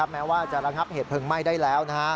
แม้ว่าจะระงับเหตุเพลิงไหม้ได้แล้ว